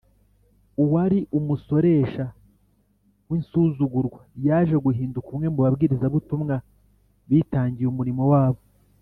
uwari umusoresha w’insuzugurwa yaje guhinduka umwe mu babwirizabutumwa bitangiye umurimo wabo